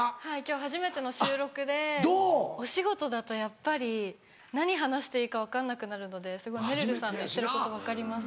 お仕事だとやっぱり何話していいか分かんなくなるのですごいめるるさんの言ってること分かります。